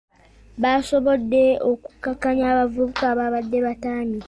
Yasobodde okukakkanya abavubuka ababadde bataamye.